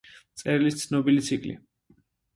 მწერლის ცნობილი ციკლი.